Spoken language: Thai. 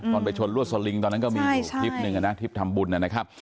ตอนไปชนรวดสลิงตอนนั้นก็มีอยู่คลิปหนึ่งนะทริปทำบุญนะครับ